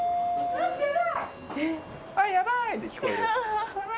「あっやばい！」って聞こえる。